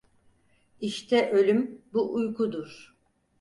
İşte ölüm bu uykudur…